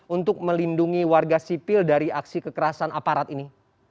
untuk melindungi warga sipil dari aksi kekerasan aparat ini